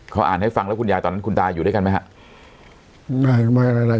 เขาอ่านให้ฟังแล้วคุณยายตอนนั้นคุณตาอยู่ด้วยกันไหมครับ